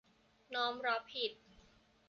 น้อมรับผิด